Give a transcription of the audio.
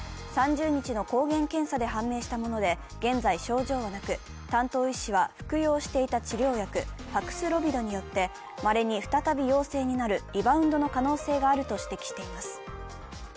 ３０日の抗原検査で判明したもので、現在症状はなく、担当医師は服用していた治療薬、パクスロビドによってまれに再び陽性になるリバウンドの可能性があると指摘しています。